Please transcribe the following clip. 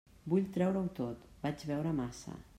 Vull treure-ho tot: vaig beure massa.